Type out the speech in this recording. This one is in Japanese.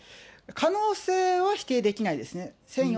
可能性は否定できないですね。